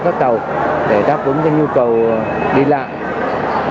các tàu để đáp ứng cái nhu cầu đi lại